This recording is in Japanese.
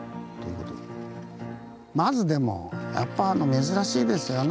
まずでもやっぱ珍しいですよね